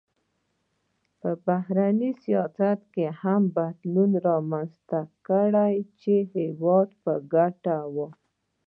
په بهرني سیاست کې هم بدلون رامنځته کړ چې د هېواد په ګټه و.